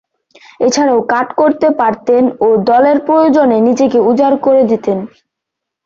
এছাড়াও কাট করতে পারতেন ও দলের প্রয়োজনে নিজেকে উজাড় করে দিতেন।